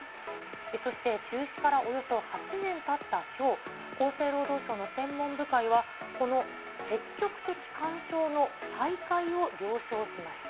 そして中止からおよそ８年たったきょう、厚生労働省の専門部会は、この積極的勧奨の再開を了承しました。